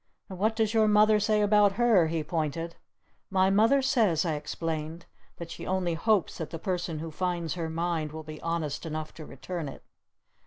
"And what does your Mother say about her?" he pointed. "My Mother says," I explained, "that she only hopes that the person who finds her mind will be honest enough to return it!"